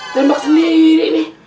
terbak sendiri ini